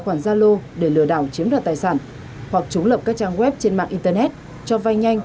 khoản zalo để lừa đảo chiếm đoạt tài sản hoặc trúng lập các trang web trên mạng internet cho vay nhanh